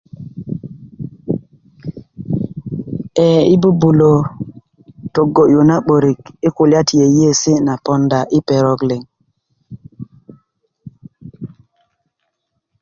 ee yi' bubulo tögö'yu na 'börik i kulya ti yeyiyesi na ponda i perok liŋ